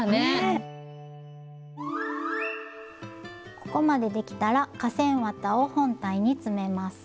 ここまでできたら化繊綿を本体に詰めます。